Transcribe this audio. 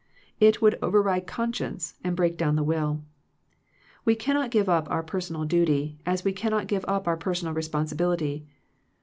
It would override conscience, and break down the will. We cannot give up our personal duty, as we cannot give up our personal respon sibility.